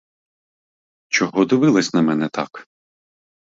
Чого дивились на мене так?